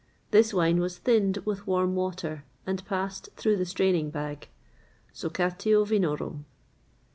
[XXVIII 104] This wine was thinned with warm water, and passed through the straining bag (saccatio vinorum).